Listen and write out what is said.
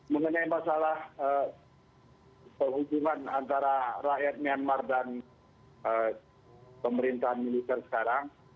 mengenai masalah perhubungan antara rakyat myanmar dan pemerintahan militer sekarang